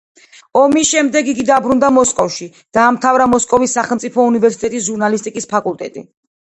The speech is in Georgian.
ომის შემდეგ იგი დაბრუნდა მოსკოვში, დაამთავრა მოსკოვის სახელმწიფო უნივერსიტეტის ჟურნალისტიკის ფაკულტეტი.